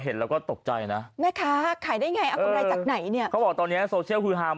เออรายสอเลยเออ